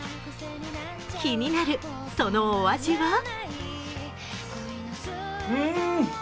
気になる、そのお味は？